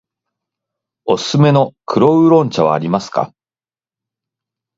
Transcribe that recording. おすすめの黒烏龍茶はありますか。